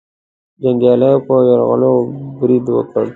جنګیالیو پر یرغلګرو برید وکړ.